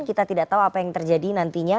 kita tidak tahu apa yang terjadi nantinya